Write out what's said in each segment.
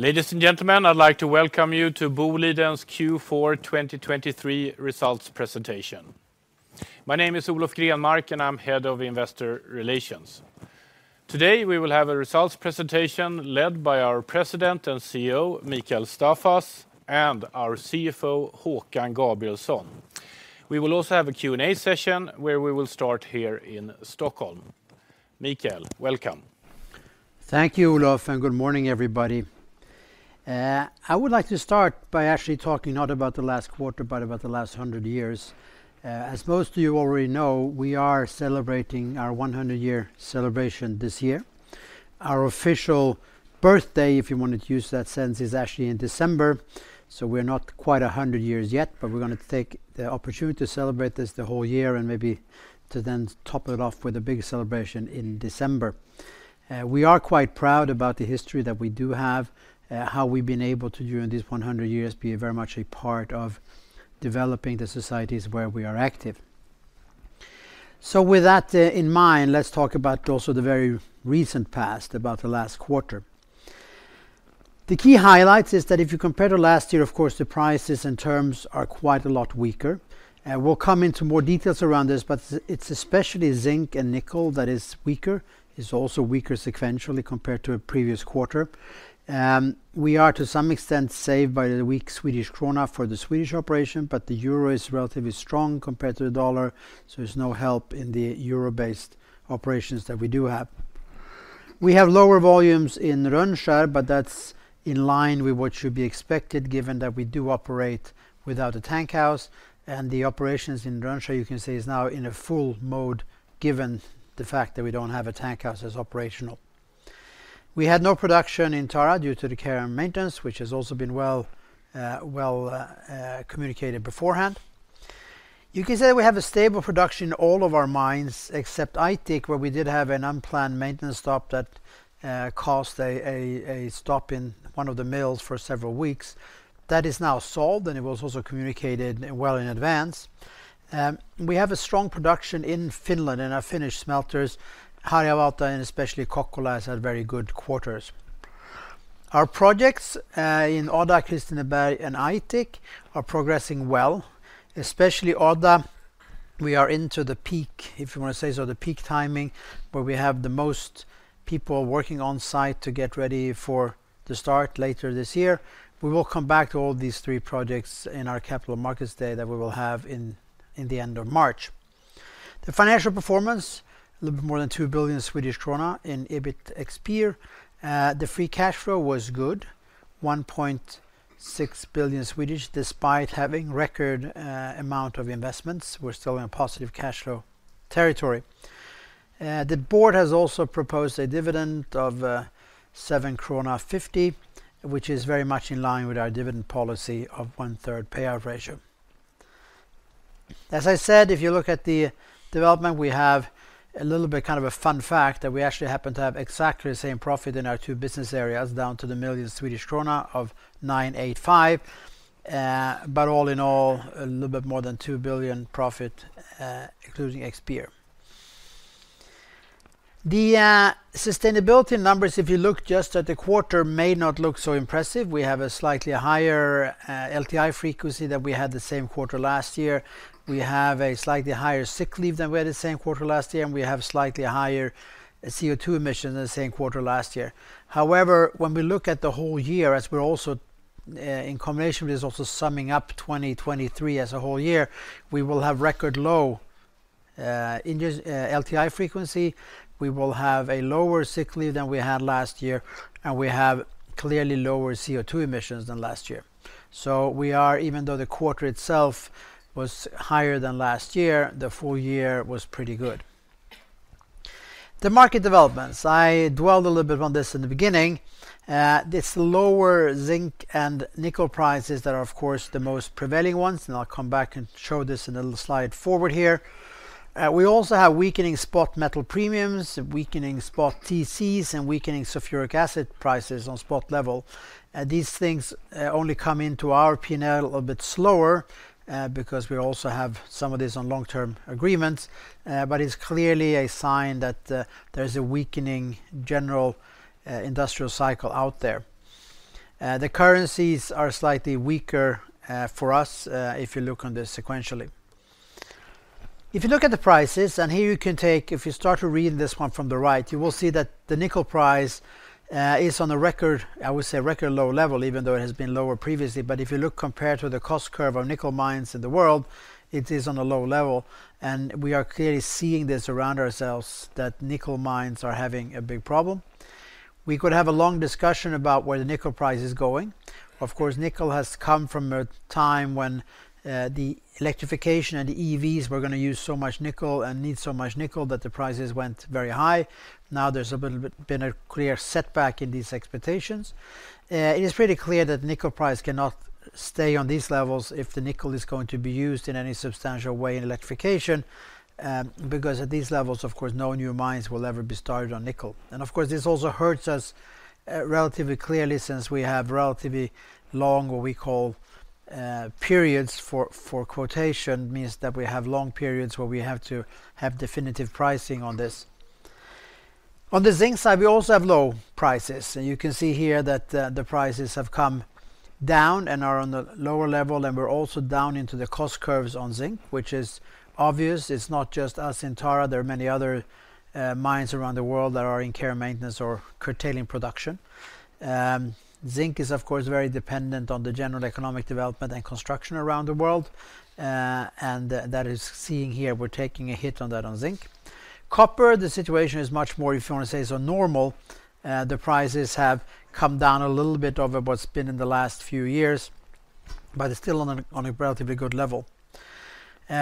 Ladies and gentlemen, I'd like to welcome you to Boliden's Q4 2023 results presentation. My name is Olof Grenmark, and I'm Head of Investor Relations. Today, we will have a results presentation led by our President and CEO, Mikael Staffas, and our CFO, Håkan Gabrielsson. We will also have a Q&A session, where we will start here in Stockholm. Mikael, welcome. Thank you, Olof, and good morning, everybody. I would like to start by actually talking not about the last quarter, but about the last 100 years. As most of you already know, we are celebrating our 100-year celebration this year. Our official birthday, if you wanted to use that sense, is actually in December, so we're not quite 100 years yet, but we're gonna take the opportunity to celebrate this the whole year and maybe to then top it off with a big celebration in December. We are quite proud about the history that we do have, how we've been able to, during these 100 years, be very much a part of developing the societies where we are active. So with that in mind, let's talk about also the very recent past, about the last quarter. The key highlights is that if you compare to last year, of course, the prices and terms are quite a lot weaker. We'll come into more details around this, but it's especially zinc and nickel that is weaker. It's also weaker sequentially compared to a previous quarter. We are, to some extent, saved by the weak Swedish krona for the Swedish operation, but the euro is relatively strong compared to the dollar, so there's no help in the euro-based operations that we do have. We have lower volumes in Rönnskär, but that's in line with what should be expected, given that we do operate without a tank house, and the operations in Rönnskär, you can see, is now in a full mode, given the fact that we don't have a tank house as operational. We had no production in Tara due to the care and maintenance, which has also been well communicated beforehand. You can say we have a stable production in all of our mines, except Aitik, where we did have an unplanned maintenance stop that caused a stop in one of the mills for several weeks. That is now solved, and it was also communicated well in advance. We have a strong production in Finland, in our Finnish smelters. Harjavalta, and especially Kokkola, has had very good quarters. Our projects in Odda, Kristineberg, and Aitik are progressing well, especially Odda. We are into the peak, if you want to say so, the peak timing, where we have the most people working on site to get ready for the start later this year. We will come back to all these three projects in our capital markets day that we will have in, in the end of March. The financial performance, a little bit more than 2 billion Swedish krona in EBITDA. The free cash flow was good, 1.6 billion, despite having record amount of investments. We're still in a positive cash flow territory. The board has also proposed a dividend of 7.50 krona, which is very much in line with our dividend policy of one-third payout ratio. As I said, if you look at the development, we have a little bit kind of a fun fact, that we actually happen to have exactly the same profit in our two business areas, down to the 985 million Swedish krona. But all in all, a little bit more than 2 billion profit, excluding PIR. The sustainability numbers, if you look just at the quarter, may not look so impressive. We have a slightly higher LTI frequency than we had the same quarter last year. We have a slightly higher sick leave than we had the same quarter last year, and we have slightly higher CO2 emissions than the same quarter last year. However, when we look at the whole year, as we're also in combination with this, also summing up 2023 as a whole year, we will have record low LTI frequency, we will have a lower sick leave than we had last year, and we have clearly lower CO2 emissions than last year. So we are, even though the quarter itself was higher than last year, the full year was pretty good. The market developments, I dwelled a little bit on this in the beginning. This lower zinc and nickel prices that are, of course, the most prevailing ones, and I'll come back and show this in a little slide forward here. We also have weakening spot metal premiums, weakening spot TCs, and weakening sulfuric acid prices on spot level. These things only come into our P&L a little bit slower, because we also have some of these on long-term agreements. But it's clearly a sign that there's a weakening general industrial cycle out there. The currencies are slightly weaker for us, if you look on this sequentially. If you look at the prices, and here you can take if you start to read this one from the right, you will see that the nickel price is on a record, I would say, a record low level, even though it has been lower previously. But if you look compared to the cost curve of nickel mines in the world, it is on a low level, and we are clearly seeing this around ourselves, that nickel mines are having a big problem. We could have a long discussion about where the nickel price is going. Of course, nickel has come from a time when the electrification and EVs were going to use so much nickel and need so much nickel that the prices went very high. Now, there's a little bit been a clear setback in these expectations. It is pretty clear that nickel price cannot stay on these levels if the nickel is going to be used in any substantial way in electrification, because at these levels, of course, no new mines will ever be started on nickel. And of course, this also hurts us relatively clearly, since we have relatively long, what we call, periods for quotation, means that we have long periods where we have to have definitive pricing on this. On the zinc side, we also have low prices, and you can see here that the prices have come down and are on the lower level, and we're also down into the cost curves on zinc, which is obvious. It's not just us in Tara, there are many other mines around the world that are in care and maintenance or curtailing production. Zinc is, of course, very dependent on the general economic development and construction around the world, and that is seeing here, we're taking a hit on that on zinc. Copper, the situation is much more, if you want to say, so normal. The prices have come down a little bit over what's been in the last few years, but it's still on a, on a relatively good level.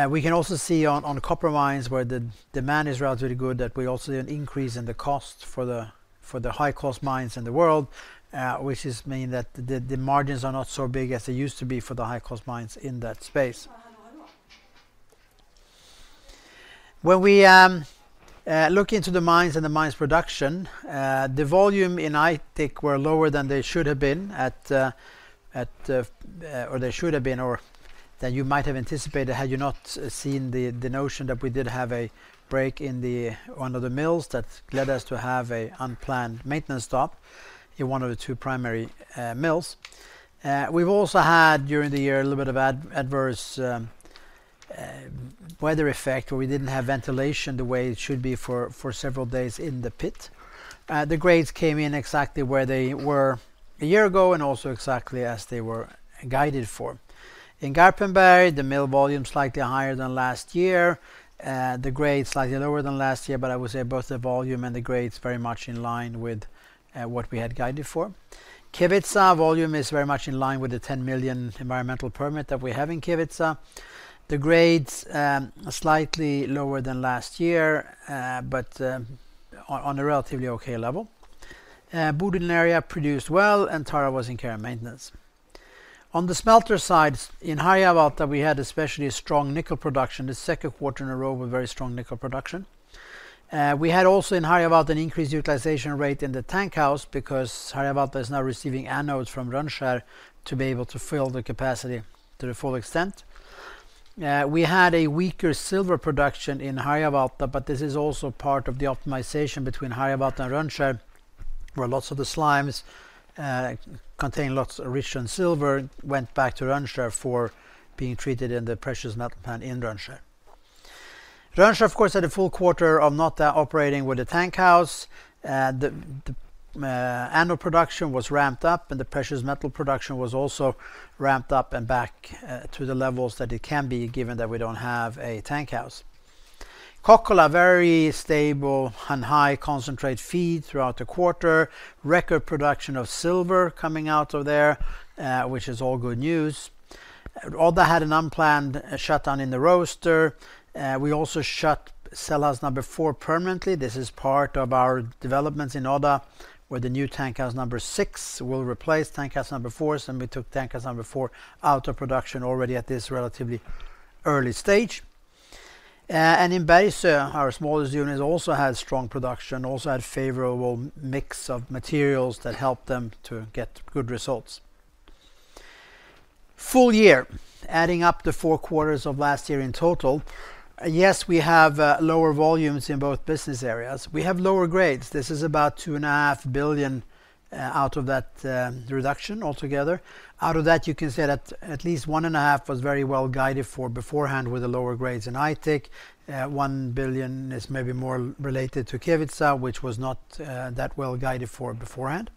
We can also see on, on copper mines, where the demand is relatively good, that we also see an increase in the cost for the, for the high-cost mines in the world, which is mean that the, the margins are not so big as they used to be for the high-cost mines in that space. When we look into the mines and the mines production, the volume in Aitik were lower than they should have been, or they should have been, or than you might have anticipated, had you not seen the notion that we did have a break in one of the mills that led us to have a unplanned maintenance stop in one of the two primary mills. We've also had, during the year, a little bit of adverse weather effect, where we didn't have ventilation the way it should be for several days in the pit. The grades came in exactly where they were a year ago, and also exactly as they were guided for. In Garpenberg, the mill volume is slightly higher than last year, the grade, slightly lower than last year, but I would say both the volume and the grade is very much in line with what we had guided for. Kevitsa volume is very much in line with the 10 million environmental permit that we have in Kevitsa. The grades are slightly lower than last year, but on a relatively okay level. Boliden area produced well, and Tara was in care and maintenance. On the smelter sides, in Harjavalta, we had especially a strong nickel production, the second quarter in a row with very strong nickel production. We had also in Harjavalta, an increased utilization rate in the tank house because Harjavalta is now receiving anodes from Rönnskär to be able to fill the capacity to the full extent. We had a weaker silver production in Harjavalta, but this is also part of the optimization between Harjavalta and Rönnskär, where lots of the slimes contain lots of rich in silver, went back to Rönnskär for being treated in the precious metal plant in Rönnskär. Rönnskär, of course, had a full quarter of not operating with the tank house. The annual production was ramped up, and the precious metal production was also ramped up and back to the levels that it can be given that we don't have a tank house. Kokkola, very stable and high concentrate feed throughout the quarter. Record production of silver coming out of there, which is all good news. Odda had an unplanned shutdown in the roaster. We also shut cell house number 4 permanently. This is part of our developments in Odda, where the new tank house number six will replace tank house number four, so we took tank house number four out of production already at this relatively early stage. In Bergsöe, our smallest unit also had strong production, also had favorable mix of materials that helped them to get good results. Full year, adding up the four quarters of last year in total, yes, we have lower volumes in both business areas. We have lower grades. This is about 2.5 billion out of that reduction altogether. Out of that, you can say that at least 1.5 billion was very well guided for beforehand with the lower grades in Aitik. 1 billion is maybe more related to Kevitsa, which was not that well guided for beforehand.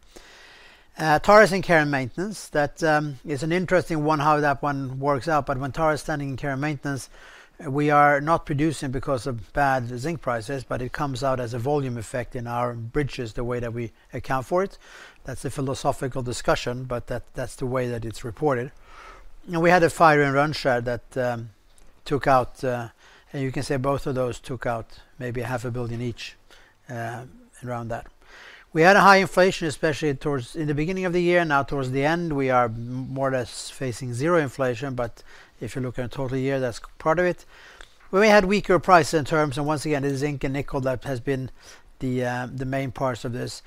Tara's in care and maintenance. That is an interesting one, how that one works out, but when Tara is standing in care and maintenance, we are not producing because of bad zinc prices, but it comes out as a volume effect in our bridges, the way that we account for it. That's a philosophical discussion, but that's the way that it's reported. And we had a fire in Rönnskär that took out. And you can say both of those took out maybe 500 million each, around that. We had a high inflation, especially towards-- in the beginning of the year. Now, towards the end, we are more or less facing zero inflation, but if you look at the total year, that's part of it. We had weaker price in terms, and once again, it is zinc and nickel that has been the, the main parts of this.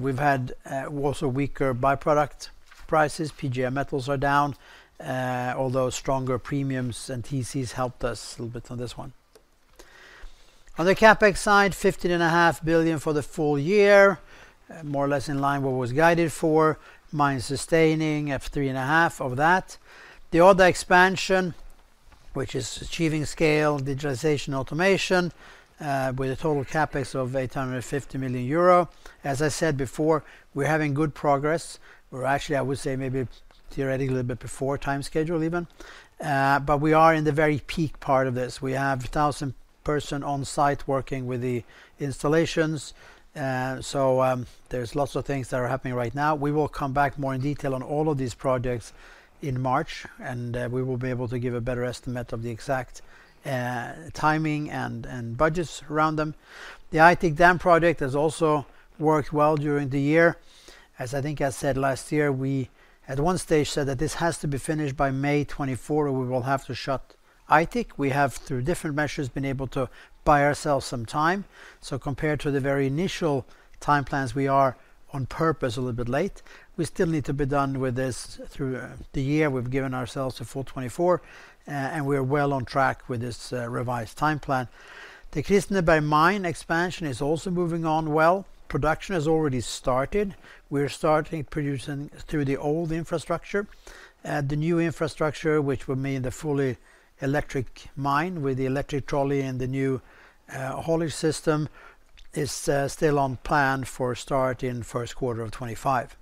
We've had also weaker by-product prices. PGM metals are down, although stronger premiums and TCs helped us a little bit on this one. On the CapEx side, 15.5 billion for the full year, more or less in line with what was guided for, mine sustaining at 3.5 billion of that. The Odda expansion, which is achieving scale, digitalization, automation, with a total CapEx of 850 million euro. As I said before, we're having good progress, or actually, I would say maybe theoretically, a little bit before time schedule even. But we are in the very peak part of this. We have 1,000 person on-site working with the installations, so, there's lots of things that are happening right now. We will come back more in detail on all of these projects in March, and, we will be able to give a better estimate of the exact, timing and, and budgets around them. The Aitik dam project has also worked well during the year. As I think I said last year, we at one stage said that this has to be finished by May 2024, or we will have to shut Aitik. We have, through different measures, been able to buy ourselves some time. So compared to the very initial time plans, we are on purpose, a little bit late. We still need to be done with this through, the year. We've given ourselves to full 2024, and we're well on track with this revised time plan. The Kristineberg mine expansion is also moving on well. Production has already started. We're starting producing through the old infrastructure. The new infrastructure, which would mean the fully electric mine with the electric trolley and the new hauling system, is still on plan for start in first quarter of 2025.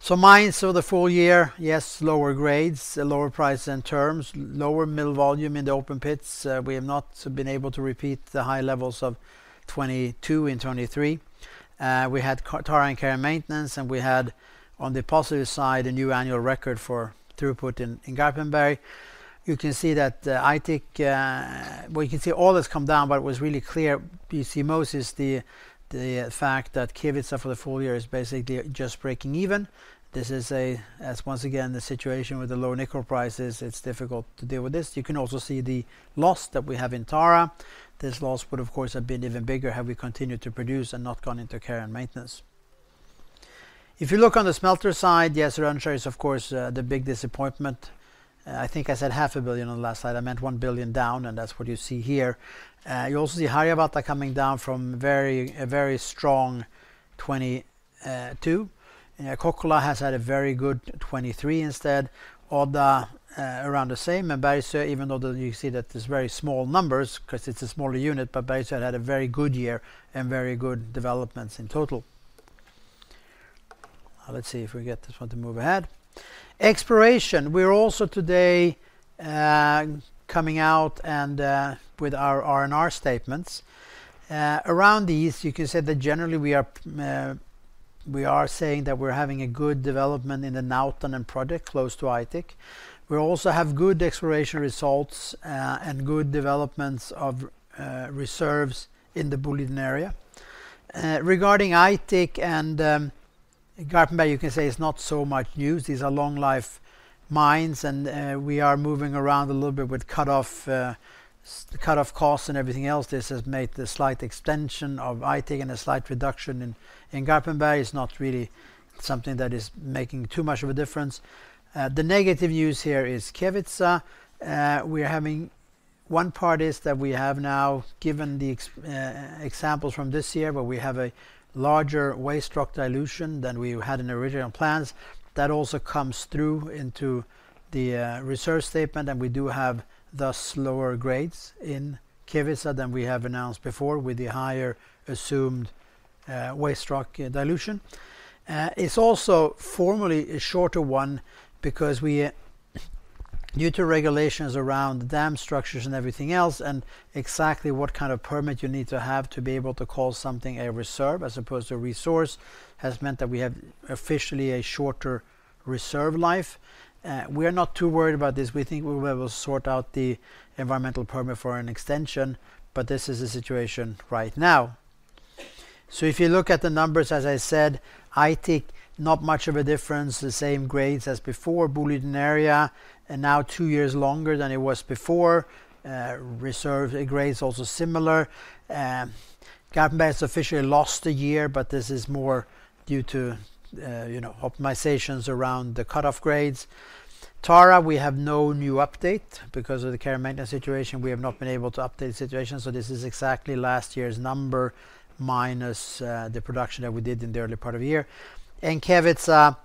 So mines for the full year, yes, lower grades, lower price and terms, lower mill volume in the open pits. We have not been able to repeat the high levels of 2022 and 2023. We had Tara in care and maintenance, and we had, on the positive side, a new annual record for throughput in Garpenberg. You can see that the Aitik... Well, you can see all has come down, but it was really clear, you see most is the fact that Kevitsa for the full year is basically just breaking even. This is as once again, the situation with the low nickel prices, it's difficult to deal with this. You can also see the loss that we have in Tara. This loss would, of course, have been even bigger had we continued to produce and not gone into care and maintenance. If you look on the smelter side, yes, Rönnskär is, of course, the big disappointment. I think I said half a billion on the last slide. I meant one billion down, and that's what you see here. You also see Harjavalta coming down from a very strong 2022. Kokkola has had a very good 2023 instead, Odda, around the same, and Bergsöe, even though you see that it's very small numbers because it's a smaller unit, but Bergsöe had a very good year and very good developments in total. Let's see if we get this one to move ahead. Exploration. We're also today coming out and with our R&R statements. Around these, you can say that generally, we are saying that we're having a good development in the Nautanen project, close to Aitik. We also have good exploration results and good developments of reserves in the Boliden area. Regarding Aitik and Garpenberg, you can say it's not so much news. These are long-life mines, and we are moving around a little bit with cut off, cut off costs and everything else. This has made the slight extension of Aitik, and a slight reduction in Garpenberg is not really something that is making too much of a difference. The negative news here is Kevitsa. We are having one part is that we have now given the examples from this year, where we have a larger waste rock dilution than we had in original plans. That also comes through into the reserve statement, and we do have thus lower grades in Kevitsa than we have announced before, with the higher assumed waste rock dilution. It's also formally a shorter one because we, due to regulations around dam structures and everything else, and exactly what kind of permit you need to have to be able to call something a reserve as opposed to a resource, has meant that we have officially a shorter reserve life. We are not too worried about this. We think we will be able to sort out the environmental permit for an extension, but this is the situation right now. So if you look at the numbers, as I said, Aitik, not much of a difference, the same grades as before, Boliden Area, and now two years longer than it was before. Reserve grades also similar. Garpenberg has officially lost a year, but this is more due to, you know, optimizations around the cutoff grades. Tara, we have no new update. Because of the care and maintenance situation, we have not been able to update the situation, so this is exactly last year's number minus the production that we did in the early part of the year. And Kevitsa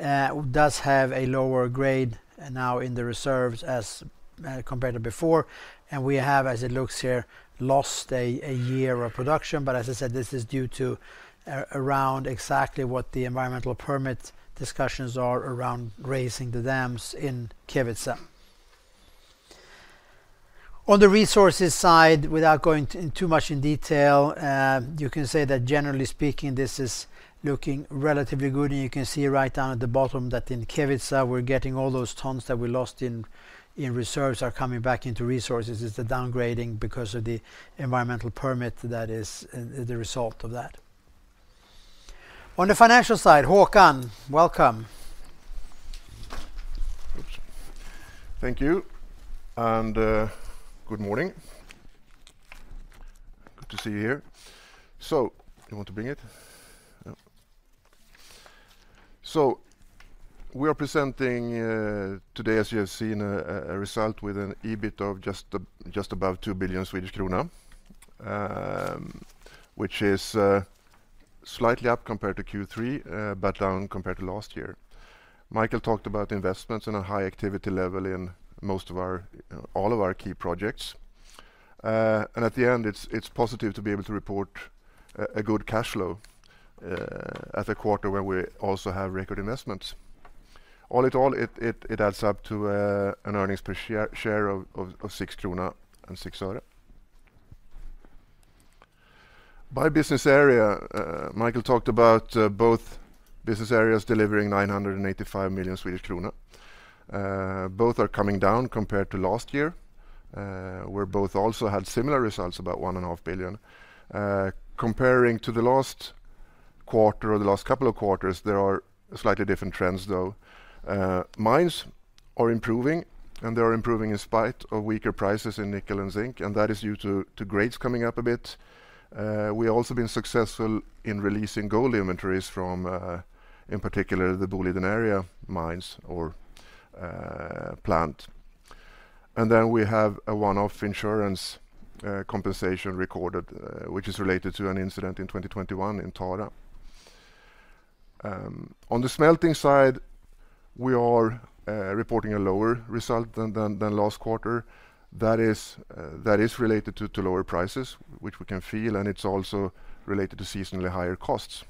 does have a lower grade now in the reserves as compared to before. And we have, as it looks here, lost a year of production, but as I said, this is due to around exactly what the environmental permit discussions are around raising the dams in Kevitsa. On the resources side, without going too much in detail, you can say that generally speaking, this is looking relatively good, and you can see right down at the bottom that in Kevitsa, we're getting all those tons that we lost in reserves are coming back into resources. It's the downgrading because of the environmental permit that is the result of that. On the financial side, Håkan, welcome. Thank you, and good morning. Good to see you here. So you want to bring it? Yep. So we are presenting today, as you have seen, a result with an EBIT of just above 2 billion Swedish krona, which is slightly up compared to Q3, but down compared to last year. Mikael talked about investments and a high activity level in all of our key projects. And at the end, it's positive to be able to report a good cash flow at a quarter where we also have record investments. All in all, it adds up to an earnings per share of 6.06 krona. By business area, Mikael talked about both business areas delivering 985 million Swedish krona. Both are coming down compared to last year, where both also had similar results, about 1.5 billion. Comparing to the last quarter or the last couple of quarters, there are slightly different trends, though. Mines are improving, and they are improving in spite of weaker prices in nickel and zinc, and that is due to grades coming up a bit. We also been successful in releasing gold inventories from, in particular, the Boliden Area mines or plant. And then we have a one-off insurance compensation recorded, which is related to an incident in 2021 in Tara. On the smelting side, we are reporting a lower result than last quarter. That is related to lower prices, which we can feel, and it's also related to seasonally higher costs.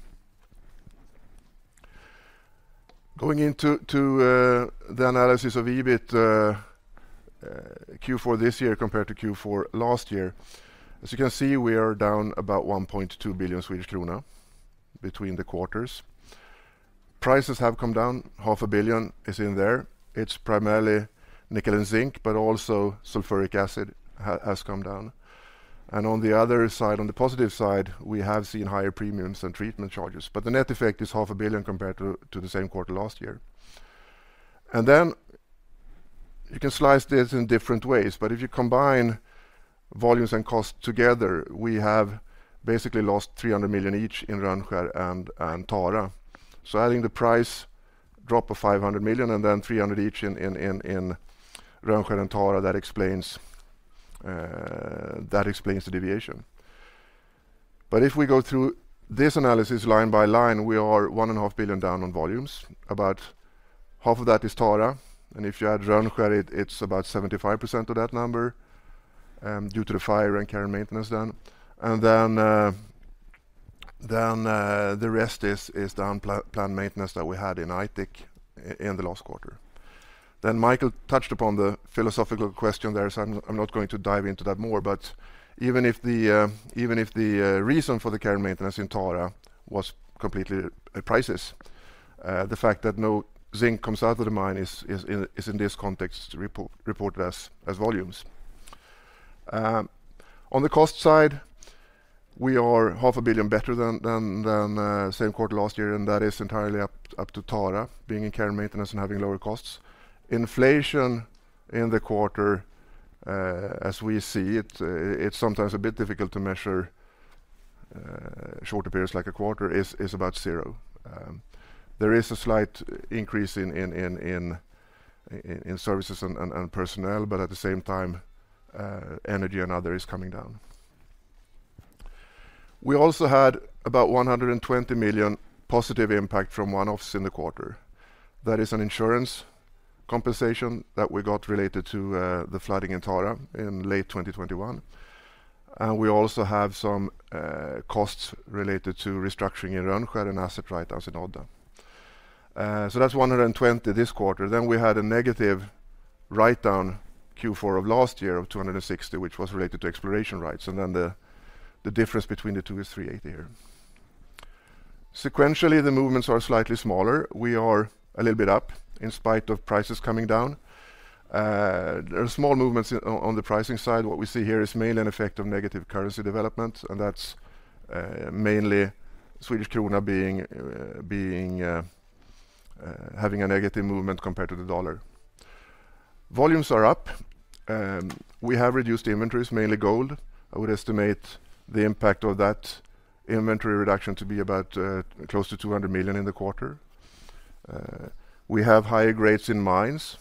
Going into the analysis of EBIT, Q4 this year compared to Q4 last year, as you can see, we are down about 1.2 billion Swedish krona between the quarters. Prices have come down. 500 million is in there. It's primarily nickel and zinc, but also sulfuric acid has come down. On the other side, on the positive side, we have seen higher premiums and treatment charges, but the net effect is 500 million compared to the same quarter last year. Then you can slice this in different ways, but if you combine volumes and costs together, we have basically lost 300 million each in Rönnskär and Tara. So adding the price drop of 500 million and then 300 million each in Rönnskär and Tara, that explains the deviation. But if we go through this analysis line by line, we are 1.5 billion down on volumes. About half of that is Tara, and if you add Rönnskär, it's about 75% of that number due to the fire and care and maintenance then. Then the rest is down planned maintenance that we had in Aitik in the last quarter. Then Mikael touched upon the philosophical question there, so I'm not going to dive into that more, but even if the reason for the care and maintenance in Tara was completely prices, the fact that no zinc comes out of the mine is in this context reported as volumes. On the cost side, we are 500 million better than same quarter last year, and that is entirely up to Tara, being in care and maintenance and having lower costs. Inflation in the quarter, as we see it, it's sometimes a bit difficult to measure short periods like a quarter, is about zero. There is a slight increase in services and personnel, but at the same time, energy and other is coming down. We also had about 120 million positive impact from one-offs in the quarter. That is an insurance compensation that we got related to the flooding in Tara in late 2021. And we also have some costs related to restructuring in Rönnskär and asset write-downs in Odda. So that's 120 this quarter. Then we had a negative write-down Q4 of last year of 260, which was related to exploration rights, and then the difference between the two is 380 here. Sequentially, the movements are slightly smaller. We are a little bit up in spite of prices coming down. There are small movements on the pricing side. What we see here is mainly an effect of negative currency development, and that's mainly Swedish krona having a negative movement compared to the dollar. Volumes are up. We have reduced inventories, mainly gold. I would estimate the impact of that inventory reduction to be about close to 200 million in the quarter. We have higher grades in mines,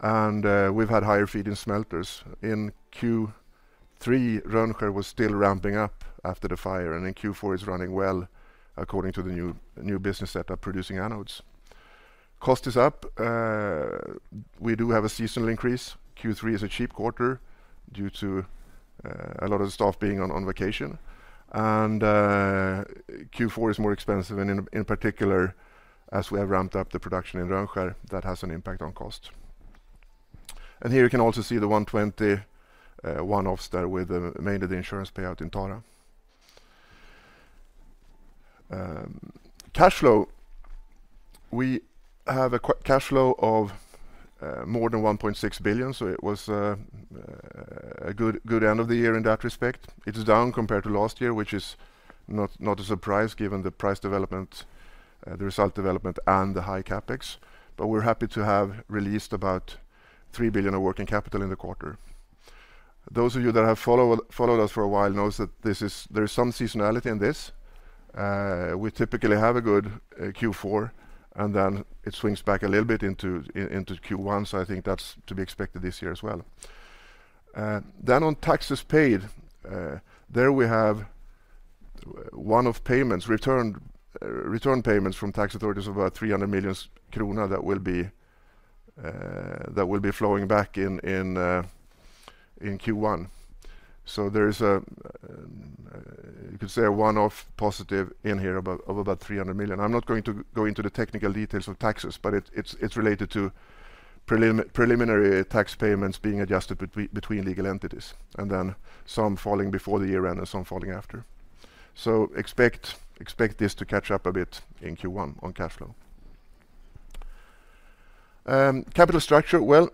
and we've had higher feed in smelters. In Q3, Rönnskär was still ramping up after the fire, and in Q4, it's running well, according to the new business setup producing anodes. Cost is up. We do have a seasonal increase. Q3 is a cheap quarter due to a lot of the staff being on vacation, and Q4 is more expensive, and in particular, as we have ramped up the production in Rönnskär, that has an impact on cost. And here you can also see the 120 one-offs there with mainly the insurance payout in Tara. Cash flow, we have a cash flow of more than 1.6 billion, so it was a good end of the year in that respect. It is down compared to last year, which is not, not a surprise, given the price development, the result development, and the high CapEx, but we're happy to have released about 3 billion of working capital in the quarter. Those of you that have followed, followed us for a while knows that this is, there is some seasonality in this. We typically have a good Q4, and then it swings back a little bit into into Q1, so I think that's to be expected this year as well. Then on taxes paid, there we have one of payments, returned, return payments from tax authorities of about 300 million krona that will be, that will be flowing back in, in in Q1. So there is a one-off positive in here about 300 million. I'm not going to go into the technical details of taxes, but it's related to preliminary tax payments being adjusted between legal entities, and then some falling before the year end and some falling after. So expect this to catch up a bit in Q1 on cash flow. Capital structure, well,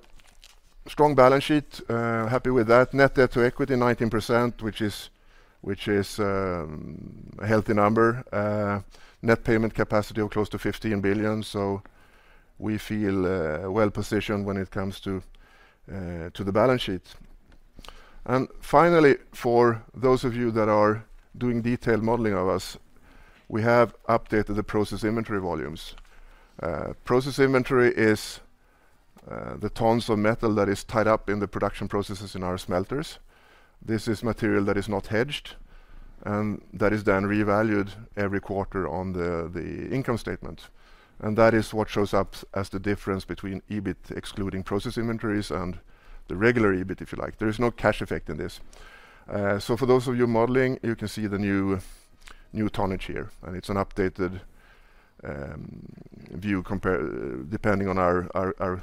strong balance sheet, happy with that. Net debt to equity 19%, which is a healthy number. Net payment capacity of close to 15 billion, so we feel well-positioned when it comes to the balance sheet. And finally, for those of you that are doing detailed modeling of us, we have updated the process inventory volumes. Process inventory is the tons of metal that is tied up in the production processes in our smelters. This is material that is not hedged, and that is then revalued every quarter on the income statement. That is what shows up as the difference between EBIT excluding process inventories and the regular EBIT, if you like. There is no cash effect in this. For those of you modeling, you can see the new tonnage here, and it's an updated view depending on our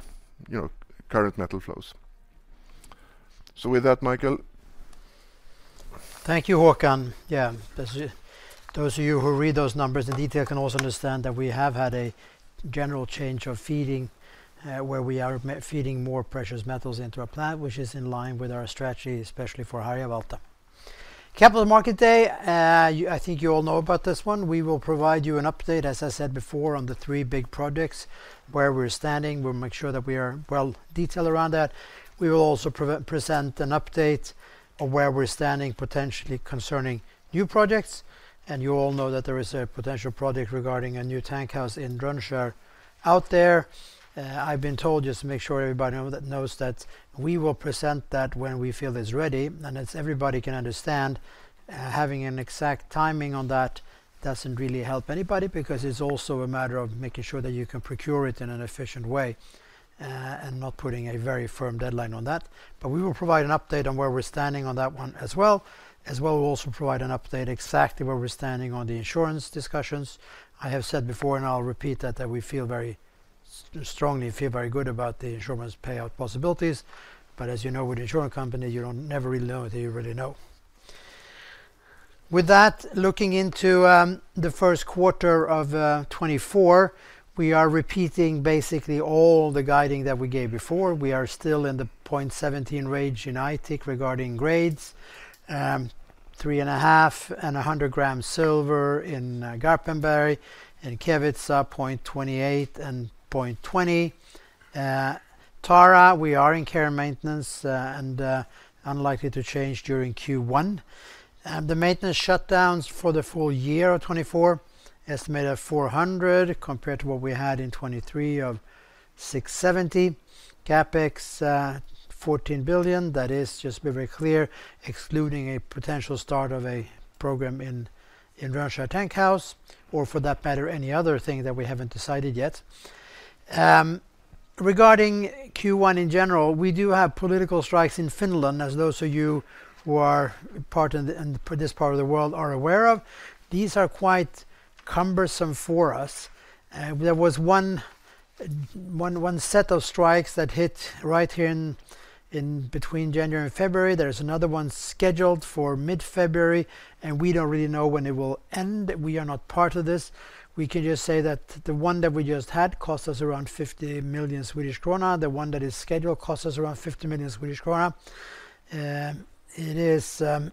current metal flows, you know. With that, Mikael. Thank you, Håkan. Yeah, as those of you who read those numbers in detail can also understand that we have had a general change of feeding, where we are feeding more precious metals into our plant, which is in line with our strategy, especially for Harjavalta. Capital Market Day, I think you all know about this one. We will provide you an update, as I said before, on the three big projects, where we're standing. We'll make sure that we are well detailed around that. We will also present an update of where we're standing potentially concerning new projects, and you all know that there is a potential project regarding a new tank house in Rönnskär out there. I've been told, just to make sure everybody knows that we will present that when we feel it's ready. As everybody can understand, having an exact timing on that doesn't really help anybody, because it's also a matter of making sure that you can procure it in an efficient way, and not putting a very firm deadline on that. But we will provide an update on where we're standing on that one as well. We'll also provide an update exactly where we're standing on the insurance discussions. I have said before, and I'll repeat that, that we feel very strongly feel very good about the insurance payout possibilities, but as you know, with insurance companies, you don't never really know until you really know. With that, looking into the first quarter of 2024, we are repeating basically all the guiding that we gave before. We are still in the 0.17 range in Aitik regarding grades. 3.5 grams and 100 grams silver in Garpenberg. In Kevitsa, 0.28 and 0.20. Tara, we are in care and maintenance and unlikely to change during Q1. The maintenance shutdowns for the full year of 2024, estimated at 400, compared to what we had in 2023 of 670. CapEx, 14 billion, that is, just to be very clear, excluding a potential start of a program in Rönnskär tank house, or for that matter, any other thing that we haven't decided yet. Regarding Q1 in general, we do have political strikes in Finland, as those of you who are part in the, in this part of the world are aware of. These are quite cumbersome for us. There was one set of strikes that hit right here in between January and February. There is another one scheduled for mid-February, and we don't really know when it will end. We are not part of this. We can just say that the one that we just had cost us around 50 million Swedish krona. The one that is scheduled cost us around 50 million Swedish krona. It is an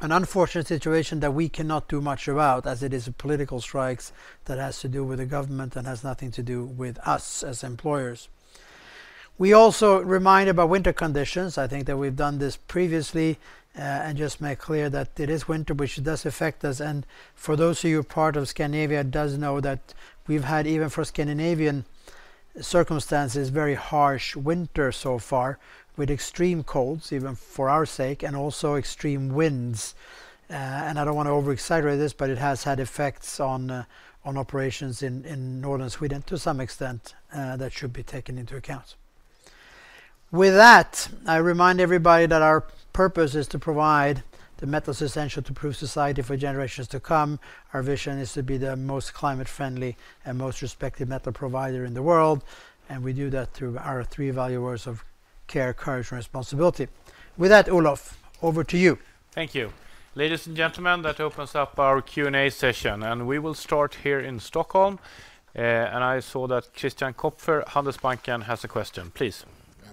unfortunate situation that we cannot do much about, as it is political strikes that has to do with the government and has nothing to do with us as employers. We also remind about winter conditions. I think that we've done this previously, and just make clear that it is winter, which does affect us. For those of you who are part of Scandinavia does know that we've had, even for Scandinavian circumstances, very harsh winter so far, with extreme colds, even for our sake, and also extreme winds. I don't want to overexaggerate this, but it has had effects on operations in northern Sweden to some extent that should be taken into account. With that, I remind everybody that our purpose is to provide the metals essential to improve society for generations to come. Our vision is to be the most climate friendly and most respected metal provider in the world, and we do that through our three value words of care, courage, and responsibility. With that, Olof, over to you. Thank you. Ladies and gentlemen, that opens up our Q&A session, and we will start here in Stockholm. I saw that Christian Kopfer, Handelsbanken, has a question. Please.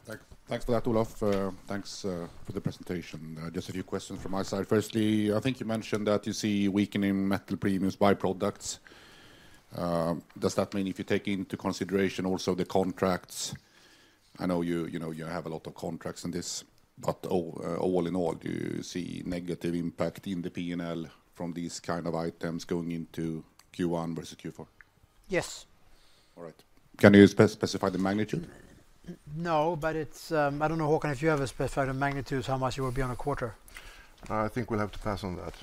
Yeah, thanks for that, Olof. Thanks for the presentation. Just a few questions from my side. Firstly, I think you mentioned that you see weakening metal premiums byproducts. Does that mean if you take into consideration also the contracts? I know you, you know, you have a lot of contracts in this, but all in all, do you see negative impact in the P&L from these kind of items going into Q1 versus Q4? Yes. All right. Can you specify the magnitude? No, but it's... I don't know, Håkan, if you have a specified magnitude, how much it would be on a quarter? I think we'll have to pass on that.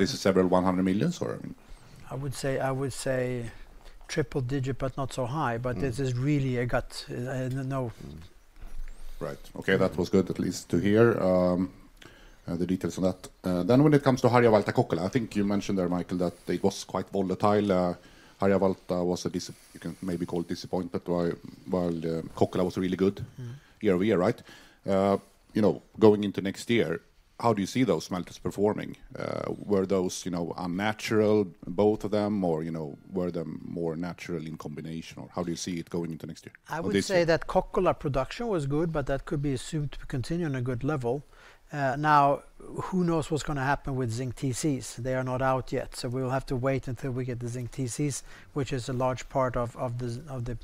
Is it several 100 million, or? I would say, I would say triple-digit, but not so high. Mm. But this is really a gut Mm. Right. Okay, that was good, at least to hear, the details on that. Then when it comes to Harjavalta Kokkola, I think you mentioned there, Mikael, that it was quite volatile. Harjavalta was a disappointment, you can maybe call it, but while Kokkola was really good- Mm... year over year, right? You know, going into next year... how do you see those smelters performing? You know, were those unnatural, both of them? Or, you know, were they more natural in combination, or how do you see it going into next year? I would say that Kokkola production was good, but that could be assumed to continue on a good level. Now, who knows what's gonna happen with zinc TCs? They are not out yet, so we'll have to wait until we get the zinc TCs, which is a large part of the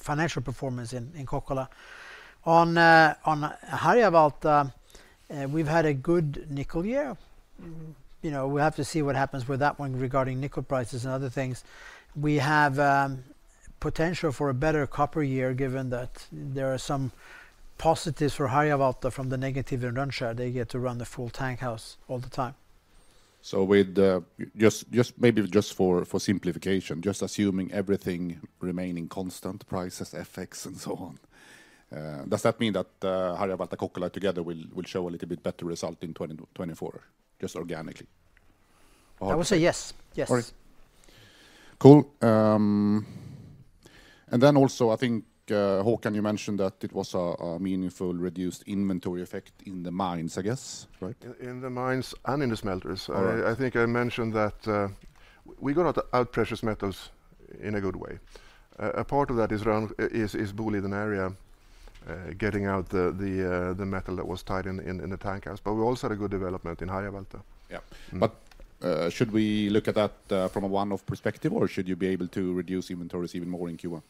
financial performance in Kokkola. On Harjavalta, we've had a good nickel year. You know, we have to see what happens with that one regarding nickel prices and other things. We have potential for a better copper year, given that there are some positives for Harjavalta from the negative in Rönnskär. They get to run the full tank house all the time. So, with just maybe for simplification, just assuming everything remaining constant, prices, effects, and so on, does that mean that Harjavalta, Kokkola together will show a little bit better result in 2024, just organically? I would say yes. Yes. All right. Cool. And then also I think, Håkan, you mentioned that it was a meaningful reduced inventory effect in the mines, I guess, right? In the mines and in the smelters. All right. I think I mentioned that, we got out the precious metals in a good way. A part of that is around Boliden Area, getting out the metal that was tied in the tank house. But we also had a good development in Harjavalta. Yeah. Mm-hmm. Should we look at that from a one-off perspective, or should you be able to reduce inventories even more in Q1?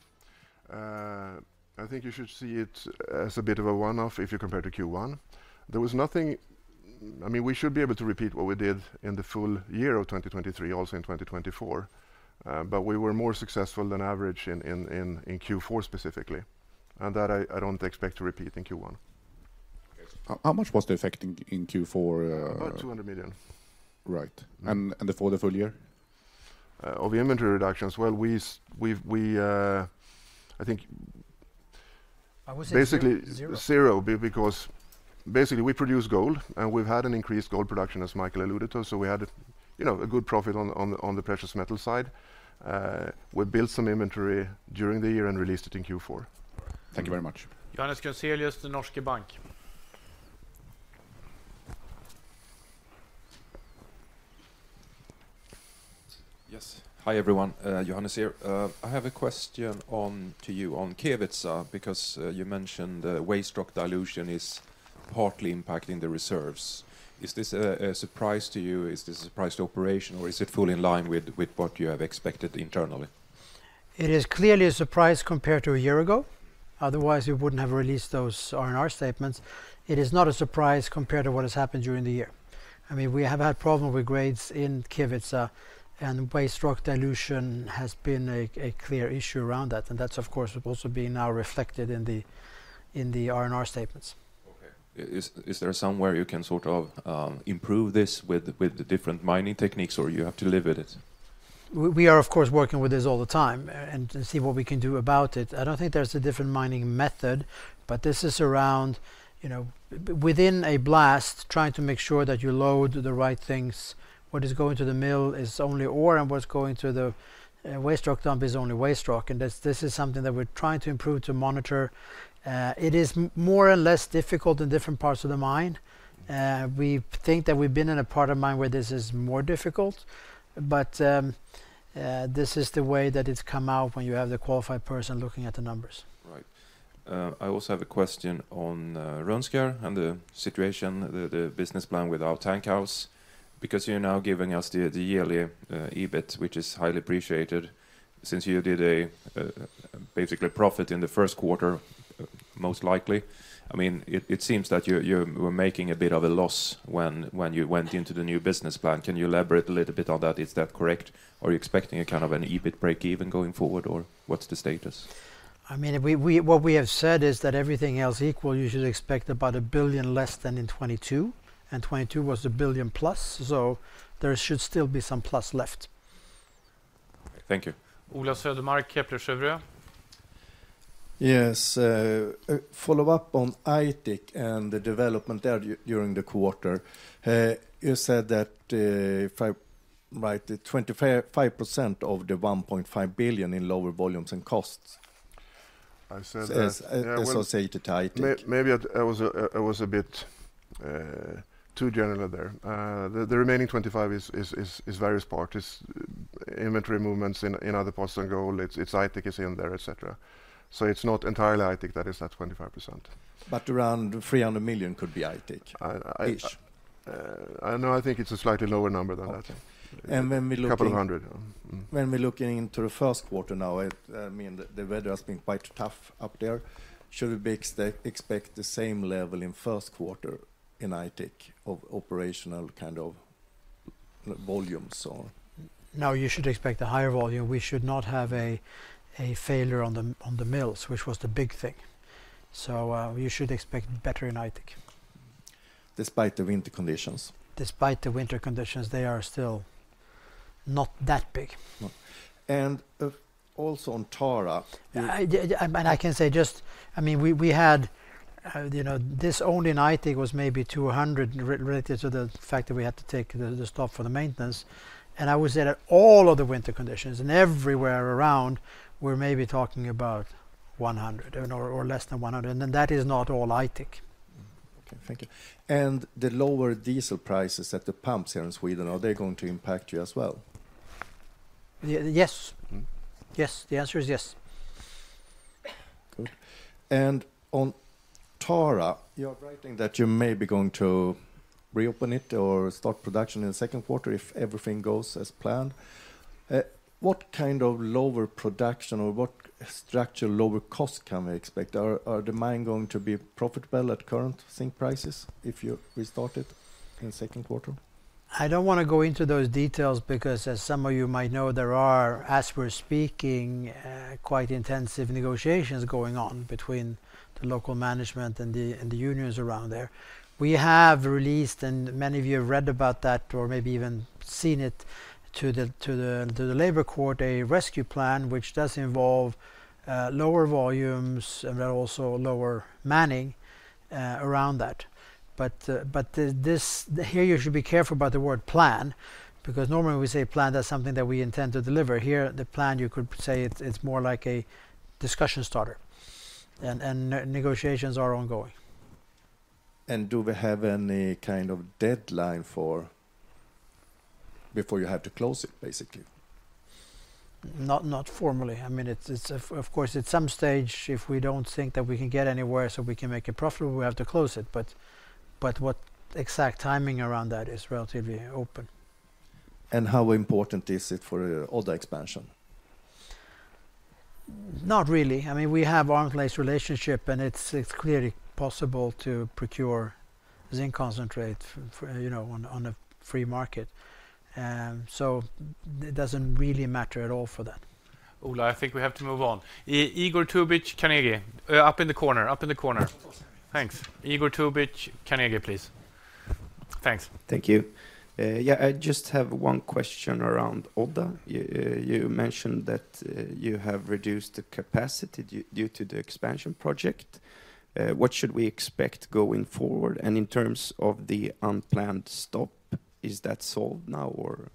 I think you should see it as a bit of a one-off, if you compare to Q1. There was nothing... I mean, we should be able to repeat what we did in the full year of 2023, also in 2024. But we were more successful than average in Q4 specifically, and that I don't expect to repeat in Q1. Okay. How much was the effect in Q4? About 200 million. Right. Mm-hmm. And for the full year? Of the inventory reductions, well, we've, I think- I would say zero.... basically zero, because basically, we produce gold, and we've had an increased gold production, as Mikael alluded to, so we had, you know, a good profit on the precious metal side. We built some inventory during the year and released it in Q4. All right. Thank you very much. Johannes Grunselius, DNB Markets. Yes. Hi, everyone, Johannes here. I have a question to you on Kevitsa, because you mentioned the waste rock dilution is partly impacting the reserves. Is this a surprise to you? Is this a surprise to operation, or is it fully in line with what you have expected internally? It is clearly a surprise compared to a year ago. Otherwise, we wouldn't have released those R&R statements. It is not a surprise compared to what has happened during the year. I mean, we have had problem with grades in Kevitsa, and waste rock dilution has been a clear issue around that, and that, of course, would also be now reflected in the R&R statements. Okay. Is there somewhere you can sort of improve this with the different mining techniques, or you have to live with it? We are, of course, working with this all the time and to see what we can do about it. I don't think there's a different mining method, but this is around, you know, within a blast, trying to make sure that you load the right things. What is going to the mill is only ore, and what's going to the waste rock dump is only waste rock, and this, this is something that we're trying to improve to monitor. It is more or less difficult in different parts of the mine. We think that we've been in a part of mine where this is more difficult, but this is the way that it's come out when you have the qualified person looking at the numbers. Right. I also have a question on Rönnskär and the situation, the business plan without tank house, because you're now giving us the yearly EBIT, which is highly appreciated, since you did a basically profit in the first quarter, most likely. I mean, it seems that you were making a bit of a loss when you went into the new business plan. Can you elaborate a little bit on that? Is that correct, or are you expecting a kind of an EBIT breakeven going forward, or what's the status? I mean, what we have said is that everything else equal, you should expect about 1 billion less than in 2022, and 2022 was 1 billion-plus, so there should still be some plus left. Thank you. Ola Södermark, Kepler Cheuvreux. Yes, a follow-up on Aitik and the development there during the quarter. You said that, if I write it, 25% of the 1.5 billion in lower volumes and costs. I said that- Yes- Yeah, well- As associated to Aitik... Maybe I was a bit too general there. The remaining 25 is various parts. It's inventory movements in other parts than gold. It's Aitik is in there, et cetera. So it's not entirely Aitik that is that 25%. But around 300 million could be Aitik- I, I- -ish? No, I think it's a slightly lower number than that. Okay. And when we're looking- A couple of hundred. Mm. When we're looking into the first quarter now, I mean, the weather has been quite tough up there. Should we expect the same level in first quarter in Aitik of operational kind of volumes or? No, you should expect a higher volume. We should not have a failure on the mills, which was the big thing. So, you should expect better in Aitik. Despite the winter conditions? Despite the winter conditions, they are still not that big. Mm. And, also on Tara. and I can say just... I mean, we had, you know, this only in Aitik was maybe 200 relative to the fact that we had to take the stop for the maintenance, and I was there at all of the winter conditions, and everywhere around, we're maybe talking about 100 or less than 100, and that is not all Aitik. Okay, thank you. And the lower diesel prices at the pumps here in Sweden, are they going to impact you as well? Ye- yes. Mm-hmm. Yes, the answer is yes. Good. And on Tara, you are writing that you may be going to reopen it or start production in the second quarter if everything goes as planned. What kind of lower production or what structure lower cost can we expect? Are the mine going to be profitable at current zinc prices if you restart it in the second quarter? I don't want to go into those details because as some of you might know, there are, as we're speaking, quite intensive negotiations going on between the local management and the unions around there. We have released, and many of you have read about that, or maybe even seen it, to the labor court, a rescue plan, which does involve lower volumes and then also lower manning around that. But this here, you should be careful about the word plan, because normally when we say plan, that's something that we intend to deliver. Here, the plan, you could say it's more like a discussion starter, and negotiations are ongoing. Do we have any kind of deadline for before you have to close it, basically? Not formally. I mean, it's of course at some stage, if we don't think that we can get anywhere, so we can make it profitable, we have to close it, but what exact timing around that is relatively open. How important is it for the Odda expansion? Not really. I mean, we have arm's length relationship, and it's clearly possible to procure zinc concentrate for, you know, on a free market. So it doesn't really matter at all for that. Ola, I think we have to move on. Igor Tubic, Carnegie. Up in the corner, up in the corner. Thanks. Igor Tubic, Carnegie, please. Thanks. Thank you. Yeah, I just have one question around Odda. You, you mentioned that you have reduced the capacity due to the expansion project. What should we expect going forward? And in terms of the unplanned stop, is that solved now, or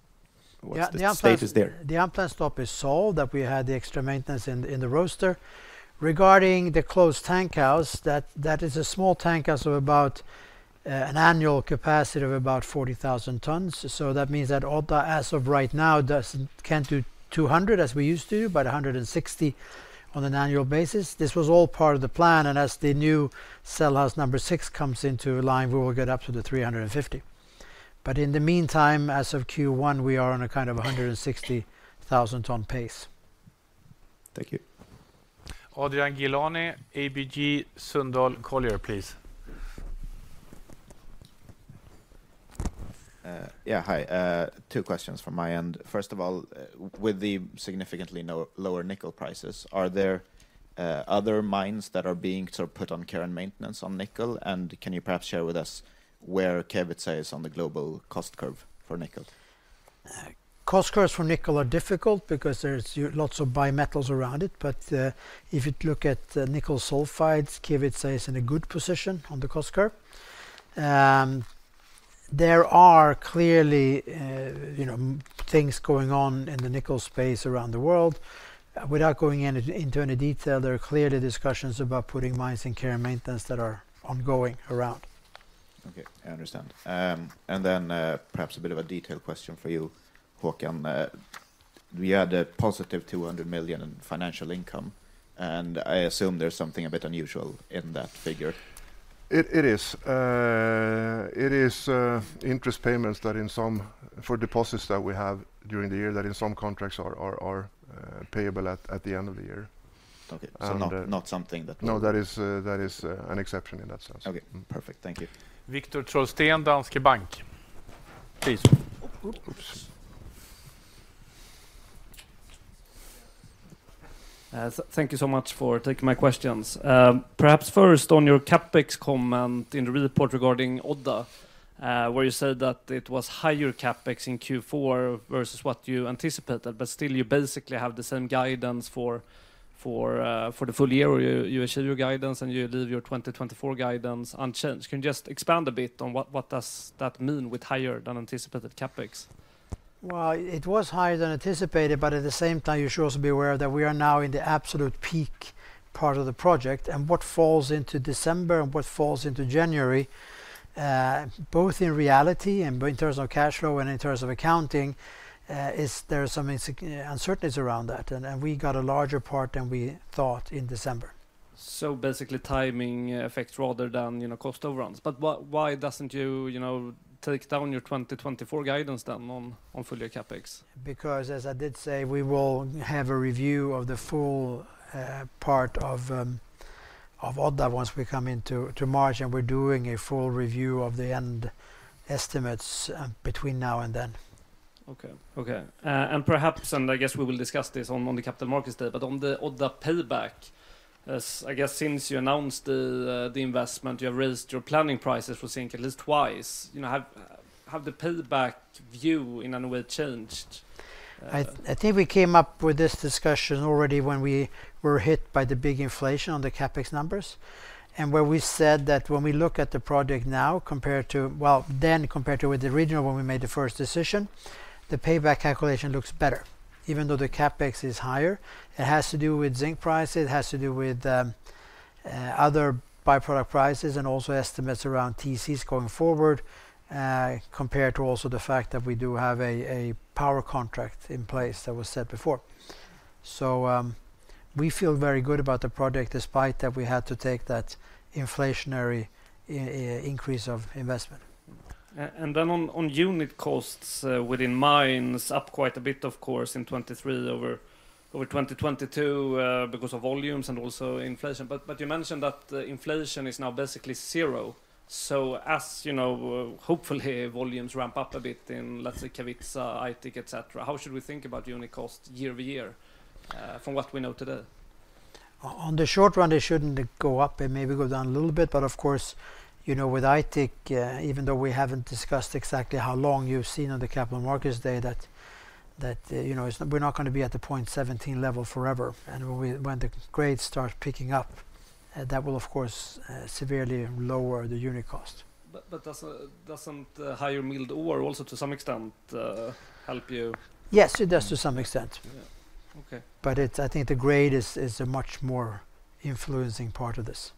what's the status there? Yeah, the unplanned stop is solved, that we had the extra maintenance in the roaster. Regarding the closed tank house, that is a small tank house of about an annual capacity of about 40,000 tons. So that means that Odda, as of right now, does-- can't do 200 as we used to, but 160 on an annual basis. This was all part of the plan, and as the new cell house number six comes into line, we will get up to the 350. But in the meantime, as of Q1, we are on a kind of a 160,000-ton pace. Thank you. Adrian Gilani, ABG Sundal Collier, please. Yeah, hi. Two questions from my end. First of all, with the significantly lower nickel prices, are there other mines that are being sort of put on care and maintenance on nickel? And can you perhaps share with us where Kevitsa is on the global cost curve for nickel? Cost curves for nickel are difficult because there's lots of bi-metals around it. But if you look at the nickel sulfides, Kevitsa is in a good position on the cost curve. There are clearly, you know, things going on in the nickel space around the world. Without going into any detail, there are clearly discussions about putting mines in care and maintenance that are ongoing around. Okay, I understand. Then, perhaps a bit of a detailed question for you, Håkan. We had a positive 200 million in financial income, and I assume there's something a bit unusual in that figure. It is. It is interest payments that in some... for deposits that we have during the year, that in some contracts are payable at the end of the year. Okay. And, uh- So not, not something that- No, that is, that is, an exception in that sense. Okay, perfect. Thank you. Viktor Trollsten, Danske Bank. Please. Oops! Oops. Thank you so much for taking my questions. Perhaps first on your CapEx comment in the report regarding Odda, where you said that it was higher CapEx in Q4 versus what you anticipated, but still, you basically have the same guidance for the full year, where you achieve your guidance, and you leave your 2024 guidance unchanged. Can you just expand a bit on what does that mean with higher-than-anticipated CapEx? Well, it was higher than anticipated, but at the same time, you should also be aware that we are now in the absolute peak part of the project, and what falls into December and what falls into January, both in reality and in terms of cash flow and in terms of accounting, is there are some uncertainties around that, and we got a larger part than we thought in December. Basically, timing affects rather than, you know, cost overruns. Why doesn't you, you know, take down your 2024 guidance then on full-year CapEx? Because, as I did say, we will have a review of the full part of Odda once we come into March, and we're doing a full review of the end estimates between now and then. Okay, okay. And perhaps, and I guess we will discuss this on, on the capital markets day, but on the Odda payback, as I guess since you announced the investment, you have raised your planning prices for zinc at least twice. You know, have the payback view, in any way, changed? I think we came up with this discussion already when we were hit by the big inflation on the CapEx numbers, and where we said that when we look at the project now, compared to... Well, then, compared to with the original, when we made the first decision, the payback calculation looks better, even though the CapEx is higher. It has to do with zinc price, it has to do with other byproduct prices and also estimates around TCs going forward, compared to also the fact that we do have a power contract in place that was set before. So, we feel very good about the project, despite that we had to take that inflationary increase of investment. Then on unit costs within mines, up quite a bit, of course, in 2023 over 2022, because of volumes and also inflation. But you mentioned that the inflation is now basically zero. So, you know, hopefully, volumes ramp up a bit in, let's say, Kevitsa, Aitik, etc., how should we think about unit cost year-over-year, from what we know today? On the short run, it shouldn't go up, it maybe go down a little bit. But of course, you know, with Aitik, even though we haven't discussed exactly how long, you've seen on the Capital Markets Day that, you know, it's-- we're not gonna be at the 0.17 level forever, and when the grades start picking up, that will, of course, severely lower the unit cost. Doesn't the higher milled ore also, to some extent, help you? Yes, it does to some extent. Yeah. Okay. But it's, I think the grade is a much more influencing part of this.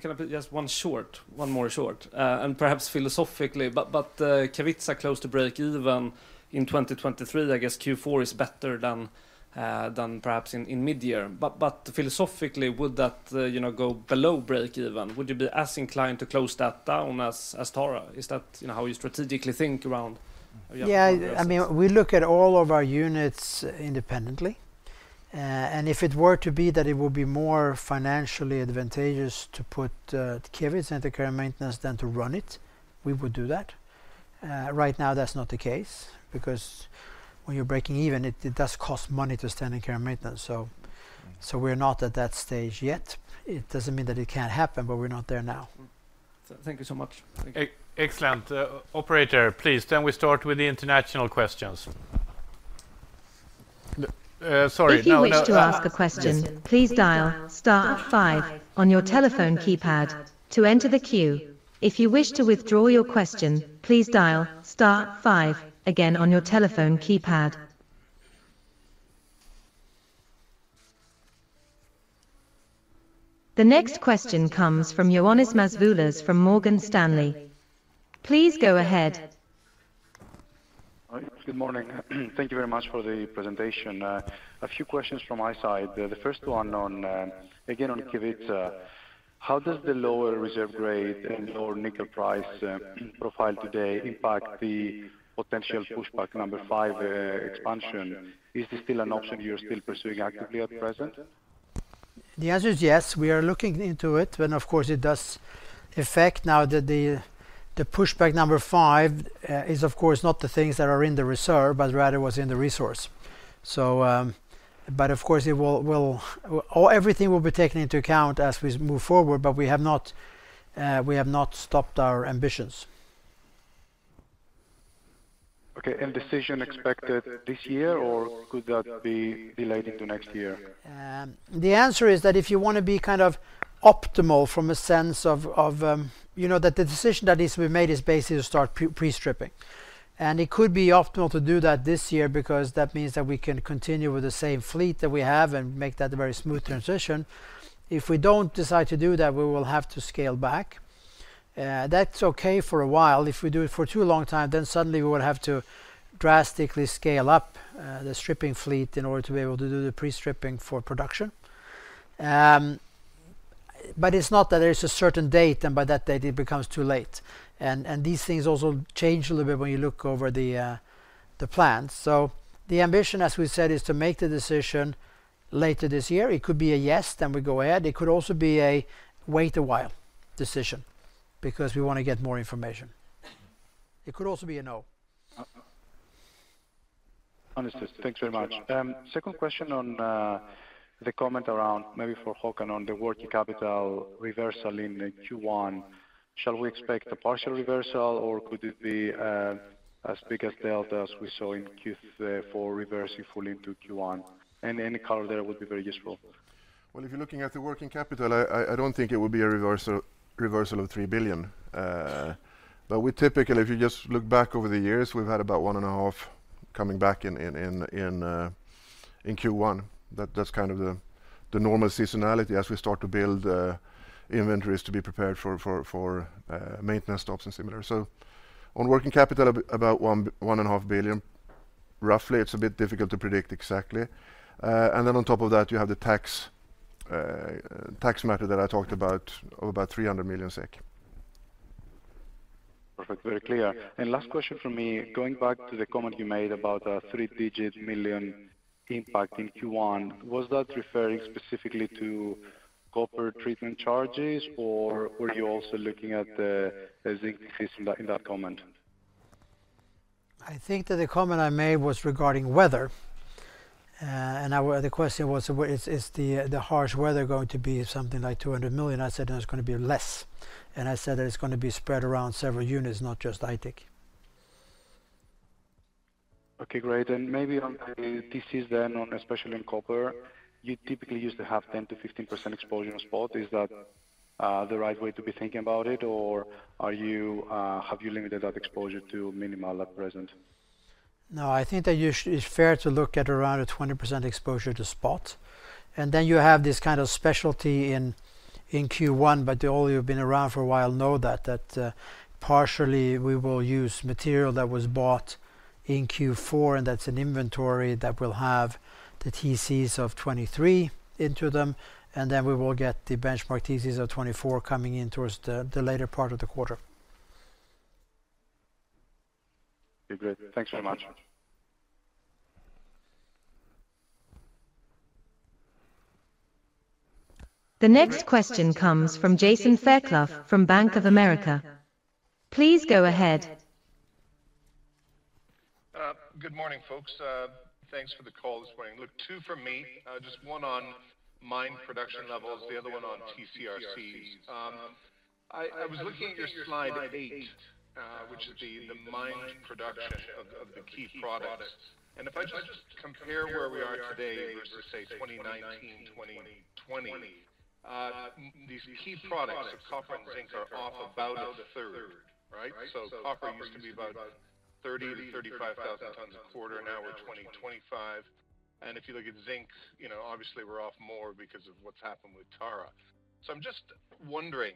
Can I put just one short - one more short, and perhaps philosophically, but, but, Kevitsa close to breakeven in 2023, I guess Q4 is better than, than perhaps in, in mid-year. But, but philosophically, would that, you know, go below breakeven? Would you be as inclined to close that down as, as Tara? Is that, you know, how you strategically think around- Yeah-... your addresses? I mean, we look at all of our units independently. If it were to be that it would be more financially advantageous to put Kevitsa into care and maintenance than to run it, we would do that. Right now, that's not the case because when you're breaking even, it does cost money to stay in care and maintenance. So we're not at that stage yet. It doesn't mean that it can't happen, but we're not there now. Mm. So thank you so much. Excellent. Operator, please, then we start with the international questions. Sorry, now- If you wish to ask a question, please dial star five on your telephone keypad to enter the queue. If you wish to withdraw your question, please dial star five again on your telephone keypad. The next question comes from Ioannis Masvoulas from Morgan Stanley. Please go ahead. Hi. Good morning. Thank you very much for the presentation. A few questions from my side. The first one on, again, on Kevitsa. How does the lower reserve grade and lower nickel price profile today impact the potential pushback number five expansion? Is this still an option you're still pursuing actively at present? The answer is yes, we are looking into it, when, of course, it does affect now that the pushback number 5 is, of course, not the things that are in the reserve, but rather what's in the resource. So, but of course, it will. Oh, everything will be taken into account as we move forward, but we have not, we have not stopped our ambitions. Okay, and decision expected this year, or could that be delayed into next year? The answer is that if you wanna be kind of optimal from a sense of, you know, that the decision that needs to be made is basically to start pre-stripping. It could be optimal to do that this year because that means that we can continue with the same fleet that we have and make that a very smooth transition. If we don't decide to do that, we will have to scale back. That's okay for a while. If we do it for too long time, then suddenly we would have to drastically scale up the stripping fleet in order to be able to do the pre-stripping for production. But it's not that there is a certain date, and by that date, it becomes too late. And these things also change a little bit when you look over the plan. So the ambition, as we said, is to make the decision later this year. It could be a yes, then we go ahead. It could also be a wait a while decision because we wanna get more information. It could also be a no. Understood. Thanks very much. Second question on the comment around, maybe for Håkan, on the working capital reversal in Q1. Shall we expect a partial reversal, or could it be as big a delta as we saw in Q4 reversing fully into Q1? Any color there would be very useful. Well, if you're looking at the working capital, I don't think it would be a reversal of three billion. But we typically, if you just look back over the years, we've had about one and a half coming back in in Q1. That's kind of the normal seasonality as we start to build inventories to be prepared for maintenance stops and similar. So on working capital, about one and a half billion, roughly. It's a bit difficult to predict exactly. And then on top of that, you have the tax matter that I talked about, of about 300 million SEK. Perfect, very clear. And last question from me, going back to the comment you made about a three-digit million impact in Q1, was that referring specifically to copper treatment charges, or were you also looking at the, the zinc fees in that, in that comment? I think that the comment I made was regarding weather, and now, the question was, is the harsh weather going to be something like 200 million? I said, "No, it's gonna be less." And I said that it's gonna be spread around several units, not just Aitik. Okay, great. And maybe on the TCs then, on especially in copper, you typically used to have 10%-15% exposure on spot. Is that the right way to be thinking about it, or are you have you limited that exposure to minimal at present? No, I think that it's fair to look at around a 20% exposure to spot, and then you have this kind of specialty in, in Q1, but all you who've been around for a while know that partially we will use material that was bought in Q4, and that's an inventory that will have the TCs of 2023 into them, and then we will get the benchmark TCs of 2024 coming in towards the later part of the quarter. Okay, great. Thanks very much. The next question comes from Jason Fairclough from Bank of America. Please go ahead. Good morning, folks. Thanks for the call this morning. Look, two for me, just one on mine production levels, the other one on TCRCs. I was looking at your slide eight, which is the mine production of the key products. And if I just compare where we are today versus, say, 2019, 2020, these key products of copper and zinc are off about a third, right? So copper used to be about 30-35,000 tons a quarter, now we're 25. And if you look at zinc, you know, obviously we're off more because of what's happened with Tara. So I'm just wondering,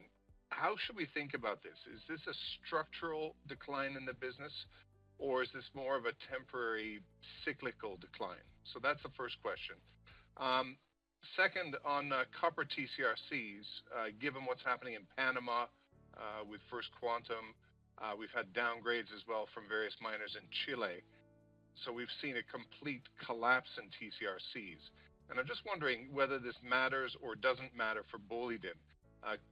how should we think about this? Is this a structural decline in the business, or is this more of a temporary cyclical decline? So that's the first question. Second, on copper TCRCs, given what's happening in Panama, with First Quantum, we've had downgrades as well from various miners in Chile. So we've seen a complete collapse in TCRCs, and I'm just wondering whether this matters or doesn't matter for Boliden.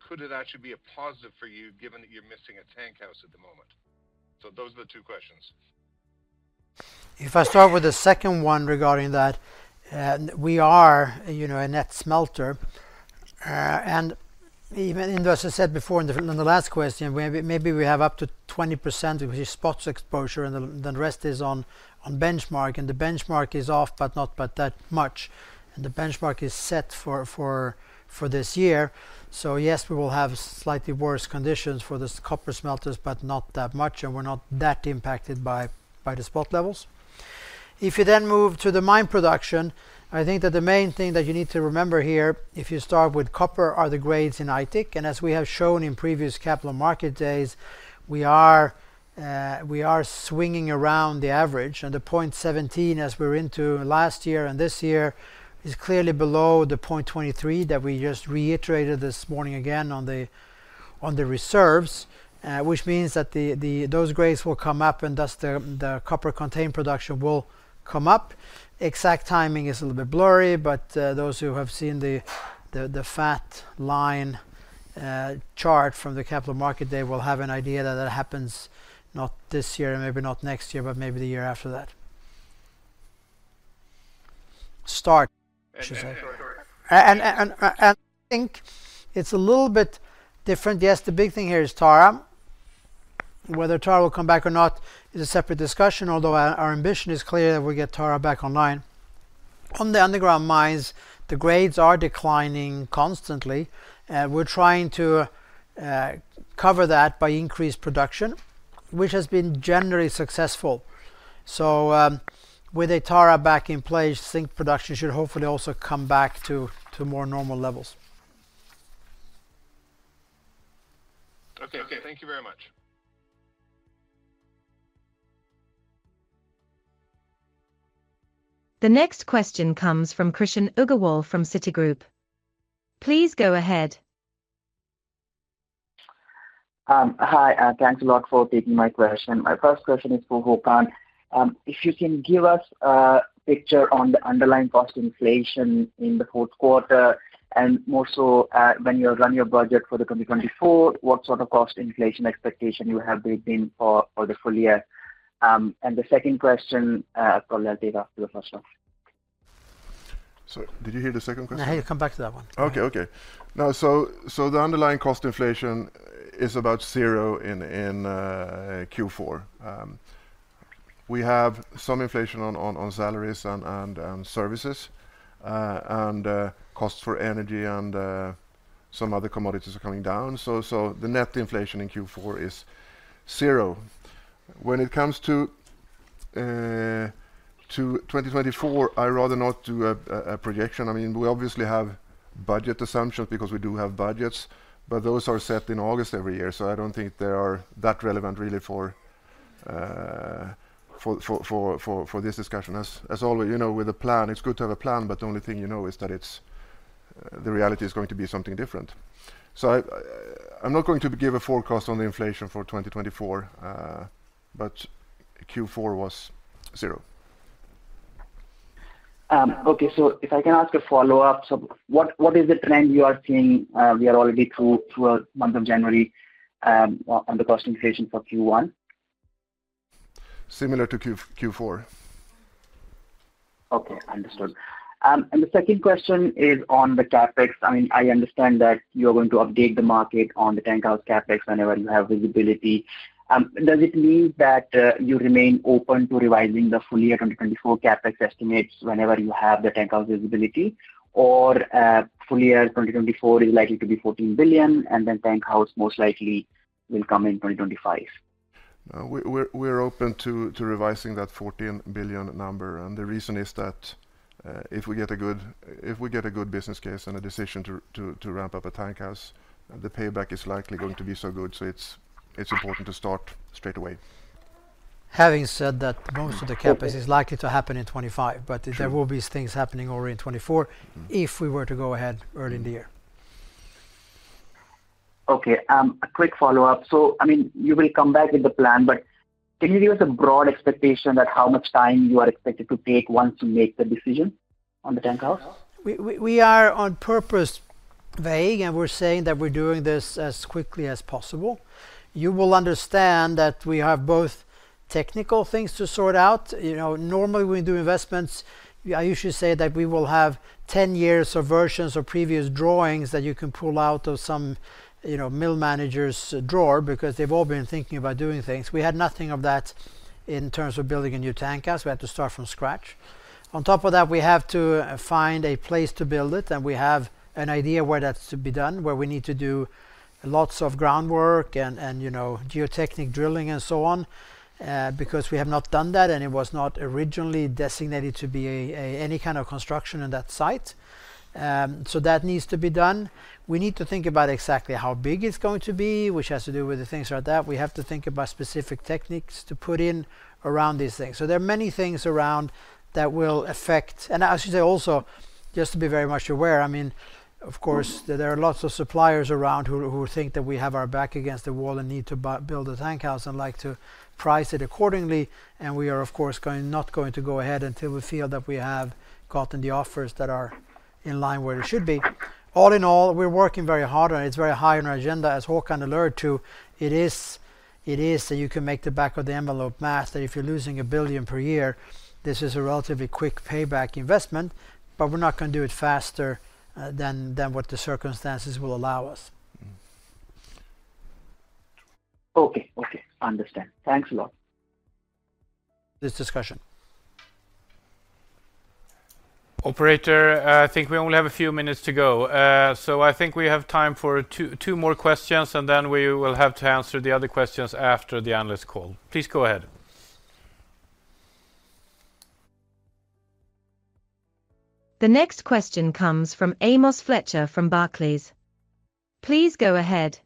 Could it actually be a positive for you, given that you're missing a tank house at the moment? So those are the two questions. If I start with the second one regarding that, we are, you know, a net smelter. And even as I said before in the, in the last question, maybe, maybe we have up to 20% of the spot exposure, and the, the rest is on, on benchmark, and the benchmark is off, but not by that much. And the benchmark is set for, for, for this year. So yes, we will have slightly worse conditions for this copper smelters, but not that much, and we're not that impacted by, by the spot levels. If you then move to the mine production, I think that the main thing that you need to remember here, if you start with copper, are the grades in Aitik. As we have shown in previous Capital Market Days, we are swinging around the average, and the 0.17, as we're into last year and this year, is clearly below the 0.23 that we just reiterated this morning again on the reserves. Which means that those grades will come up, and thus the copper contained production will come up. Exact timing is a little bit blurry, but those who have seen the fat line chart from the Capital Market Day will have an idea that that happens not this year, and maybe not next year, but maybe the year after that. And, and- I think it's a little bit different. Yes, the big thing here is Tara. Whether Tara will come back or not is a separate discussion, although our ambition is clear that we get Tara back online. On the underground mines, the grades are declining constantly, and we're trying to cover that by increased production, which has been generally successful. So, with a Tara back in place, zinc production should hopefully also come back to more normal levels. Okay. Thank you very much. The next question comes from Krishan Agarwal from Citigroup. Please go ahead. Hi, thanks a lot for taking my question. My first question is for Håkan. If you can give us a picture on the underlying cost inflation in the fourth quarter, and more so, when you run your budget for the 2024, what sort of cost inflation expectation you have built in for, for the full year? And the second question, I'll leave after the first one. Sorry, did you hear the second question? No, you come back to that one. Okay, okay. Now, the underlying cost inflation is about 0 in Q4. We have some inflation on salaries and services, and costs for energy and some other commodities are coming down. So the net inflation in Q4 is 0. When it comes to 2024, I rather not do a projection. I mean, we obviously have budget assumptions because we do have budgets, but those are set in August every year, so I don't think they are that relevant, really for this discussion. As we all know, with a plan, it's good to have a plan, but the only thing you know is that the reality is going to be something different. I'm not going to give a forecast on the inflation for 2024, but Q4 was zero. Okay, so if I can ask a follow-up. So what is the trend you are seeing, we are already through a month of January, on the cost inflation for Q1? Similar to Q4. Okay, understood. The second question is on the CapEx. I mean, I understand that you're going to update the market on the tank house CapEx whenever you have visibility. Does it mean that you remain open to revising the full year 2024 CapEx estimates whenever you have the tank house visibility, or full year 2024 is likely to be 14 billion, and then tank house, most likely, will come in 2025? We're open to revising that 14 billion number, and the reason is that if we get a good business case and a decision to ramp up a tank house, the payback is likely going to be so good, so it's important to start straight away. Having said that, most of the CapEx is likely to happen in 2025- True. but there will be things happening already in 2024- Mm. If we were to go ahead early in the year. Okay, a quick follow-up. So, I mean, you will come back with the plan, but can you give us a broad expectation that how much time you are expected to take once you make the decision on the tank house? We are on purpose vague, and we're saying that we're doing this as quickly as possible. You will understand that we have both technical things to sort out. You know, normally, when we do investments, I usually say that we will have 10 years of versions or previous drawings that you can pull out of some, you know, mill manager's drawer because they've all been thinking about doing things. We had nothing of that in terms of building a new tank house. We had to start from scratch. On top of that, we have to find a place to build it, and we have an idea where that's to be done, where we need to do lots of groundwork and, you know, geotechnical drilling and so on, because we have not done that, and it was not originally designated to be a any kind of construction on that site. So that needs to be done. We need to think about exactly how big it's going to be, which has to do with the things like that. We have to think about specific techniques to put in around these things. So there are many things around that will affect... I should say also, just to be very much aware, I mean, of course, there are lots of suppliers around who think that we have our back against the wall and need to build a tank house and like to price it accordingly, and we are, of course, not going to go ahead until we feel that we have gotten the offers that are in line where it should be. All in all, we're working very hard on it. It's very high on our agenda. As Håkan alluded to, it is, so you can make the back of the envelope math, that if you're losing 1 billion per year, this is a relatively quick payback investment, but we're not gonna do it faster than what the circumstances will allow us. Okay. Okay, understand. Thanks a lot. This discussion. Operator, I think we only have a few minutes to go. So I think we have time for two more questions, and then we will have to answer the other questions after the analyst call. Please go ahead. The next question comes from Amos Fletcher from Barclays. Please go ahead.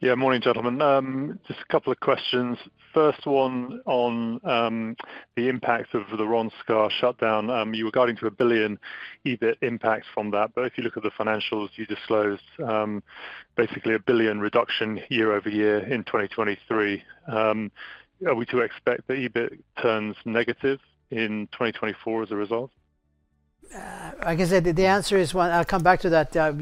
Yeah, morning, gentlemen. Just a couple of questions. First one on the impact of the Rönnskär shutdown. You were guiding to a 1 billion EBIT impact from that, but if you look at the financials, you disclosed basically a 1 billion reduction year-over-year in 2023. Are we to expect the EBIT turns negative in 2024 as a result? Like I said, the answer is 1... I'll come back to that.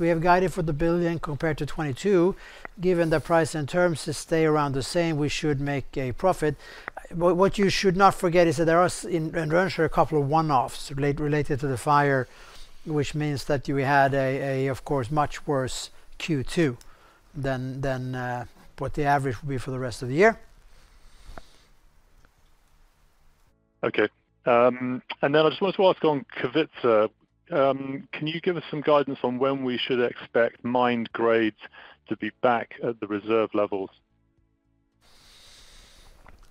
We have guided for 1 billion compared to 2022. Given the price and terms to stay around the same, we should make a profit. But what you should not forget is that there are, in Rönnskär, a couple of one-offs related to the fire, which means that we had, of course, much worse Q2 than what the average will be for the rest of the year. Okay. And then I just wanted to ask on Kevitsa. Can you give us some guidance on when we should expect mined grades to be back at the reserve levels?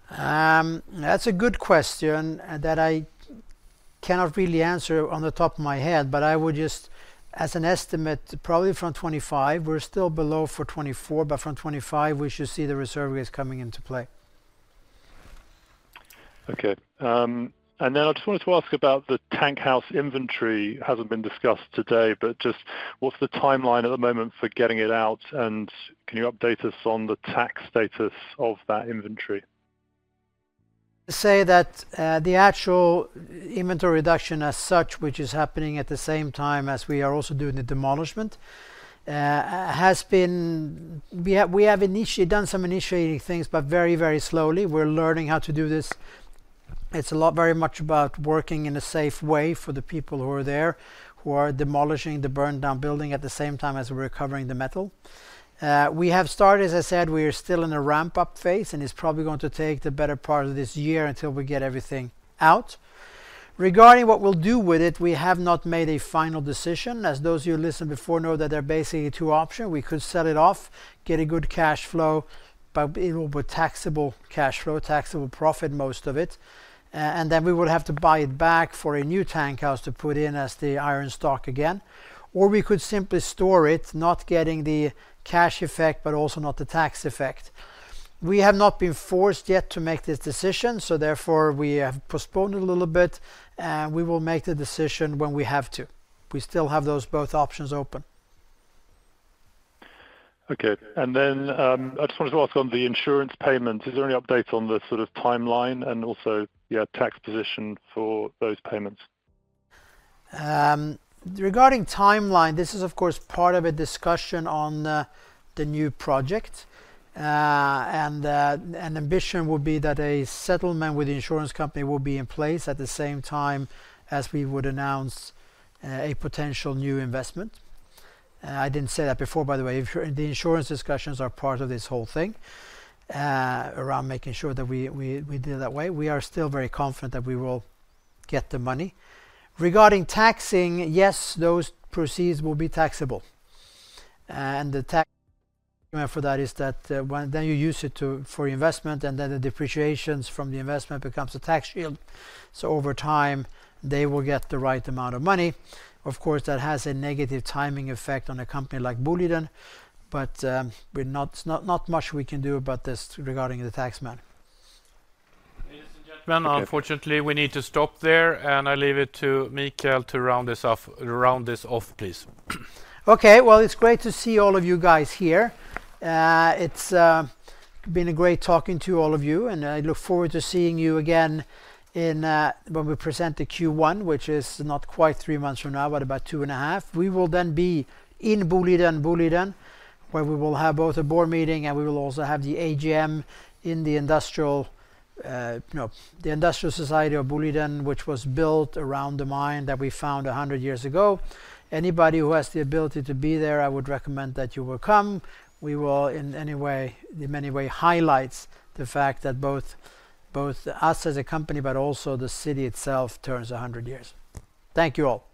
That's a good question that I cannot really answer on the top of my head, but I would just, as an estimate, probably from 2025. We're still below for 2024, but from 2025, we should see the reserve grades coming into play. Okay. Then I just wanted to ask about the tank house inventory. Hasn't been discussed today, but just what's the timeline at the moment for getting it out, and can you update us on the tax status of that inventory? Say that, the actual inventory reduction as such, which is happening at the same time as we are also doing the demolition, has been... We have, we have initially done some initiating things, but very, very slowly. We're learning how to do this. It's a lot, very much about working in a safe way for the people who are there, who are demolishing the burned-down building at the same time as we're recovering the metal. We have started, as I said, we are still in a ramp-up phase, and it's probably going to take the better part of this year until we get everything out. Regarding what we'll do with it, we have not made a final decision. As those of you who listened before know that there are basically two options: We could sell it off, get a good cash flow, but it will be taxable cash flow, taxable profit, most of it, and then we would have to buy it back for a new tank house to put in as the iron stock again, or we could simply store it, not getting the cash effect, but also not the tax effect. We have not been forced yet to make this decision, so therefore we have postponed it a little bit, and we will make the decision when we have to. We still have those both options open. Okay. And then, I just wanted to ask on the insurance payment. Is there any update on the sort of timeline and also, yeah, tax position for those payments? Regarding timeline, this is, of course, part of a discussion on the new project. And an ambition would be that a settlement with the insurance company will be in place at the same time as we would announce a potential new investment. I didn't say that before, by the way. The insurance discussions are part of this whole thing around making sure that we do it that way. We are still very confident that we will get the money. Regarding taxing, yes, those proceeds will be taxable, and the tax for that is that when you use it for investment, and then the depreciations from the investment becomes a tax shield. So over time, they will get the right amount of money. Of course, that has a negative timing effect on a company like Boliden, but we're not much we can do about this regarding the tax man. Ladies and gentlemen, unfortunately, we need to stop there, and I leave it to Mikael to round this off, round this off, please. Okay, well, it's great to see all of you guys here. It's been great talking to all of you, and I look forward to seeing you again in when we present the Q1, which is not quite three months from now, but about two and a half. We will then be in Boliden, Boliden, where we will have both a board meeting, and we will also have the AGM in the industrial society of Boliden, which was built around the mine that we found 100 years ago. Anybody who has the ability to be there, I would recommend that you will come. We will, in any way, in many way, highlights the fact that both, both us as a company, but also the city itself, turns 100 years. Thank you, all.